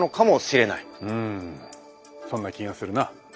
うんそんな気がするな。